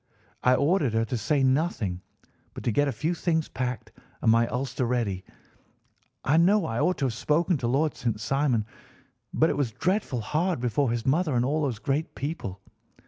I ordered her to say nothing, but to get a few things packed and my ulster ready. I know I ought to have spoken to Lord St. Simon, but it was dreadful hard before his mother and all those great people.